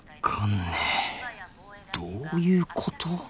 どういうこと？